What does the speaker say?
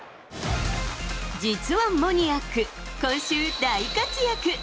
実はモニアック、今週大活躍！